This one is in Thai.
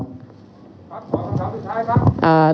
ขอสังคมสามสุดท้ายครับ